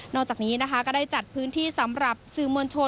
จากนี้นะคะก็ได้จัดพื้นที่สำหรับสื่อมวลชน